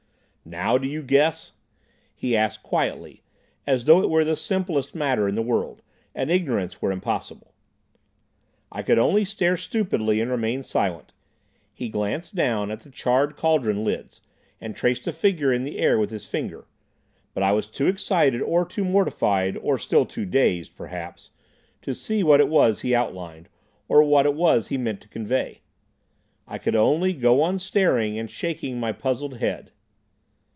"Now do you guess?" he asked quietly, as though it were the simplest matter in the world, and ignorance were impossible. I could only stare stupidly and remain silent. He glanced down at the charred cauldron lids, and traced a figure in the air with his finger. But I was too excited, or too mortified, or still too dazed, perhaps, to see what it was he outlined, or what it was he meant to convey. I could only go on staring and shaking my puzzled head.